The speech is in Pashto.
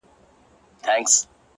خوبيا هم ستا خبري پټي ساتي،